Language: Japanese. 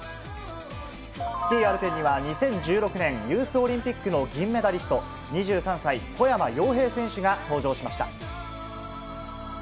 スキーアルペンには、２０１６年、ユースオリンピックの銀メダリスト、２３歳、小山陽平選手が登場しました。